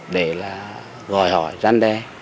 để gọi hỏi răn đe